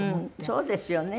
そうですよね。